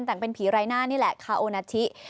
แต่งเป็นผีรายหน้านี่แหละคาโอนาธิ